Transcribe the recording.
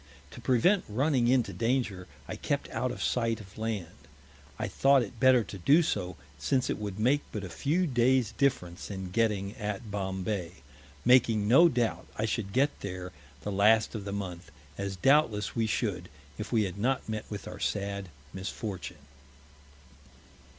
To prevent running into Danger, I kept out of Sight of Land: I thought it better to do so, since it would make but a few Days Difference in getting at Bombay; making no Doubt I should get there the last of the Month, as doubtless we should, if we had not met with our sad Misfortune.